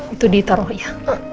itu ditaruh ya